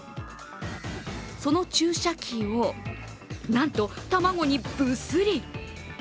その注射器を、なんと卵にぶすり。